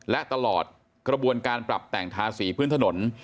และตลอดกระบวนการปรับแต่งทาสีพื้นถนน